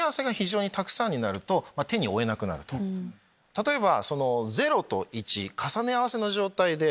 例えば。